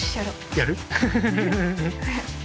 やる？